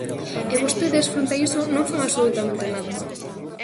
E vostedes fronte a iso non fan absolutamente nada.